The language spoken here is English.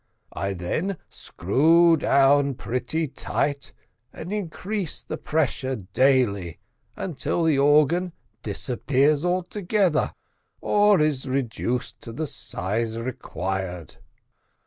I then screw down pretty tight, and increase the pressure daily, until the organ disappears altogether, or is reduced to the size required."